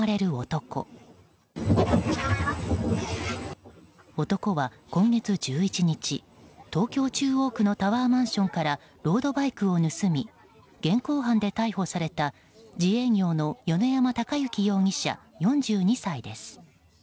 男は今月１１日、東京・中央区のタワーマンションからロードバイクを盗み現行犯で逮捕された自営業の米山貴之容疑者、４２歳です。